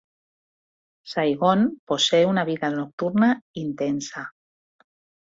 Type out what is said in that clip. Saigon posee una vida nocturna intensa.